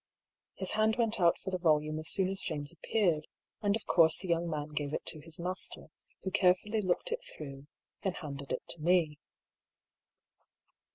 His hand went out for the yolume as soon as James appeared, and of course the young man gave it to his master, who carefully looked it through, then handed it to me.